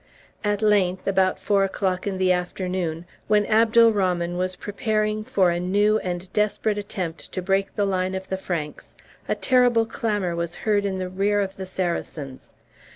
At length, about four o'clock in the afternoon, when Abdalrahman was preparing for a new and desperate attempt to break the line of the Franks, a terrible clamor was heard in the rear of the Saracens.